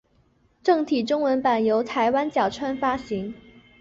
正体中文版由台湾角川发行。